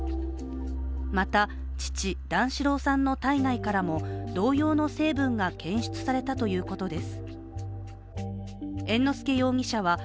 また、父・段四郎さんの体内からも同様の成分が検出されたということです。